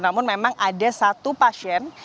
namun memang ada satu pasien